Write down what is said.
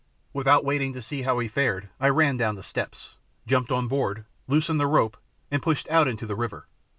Without waiting to see how he fared I ran down the steps, jumped on board, loosened the rope, and pushed out into the river.